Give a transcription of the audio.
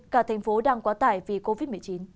cả thành phố đang quá tải vì covid một mươi chín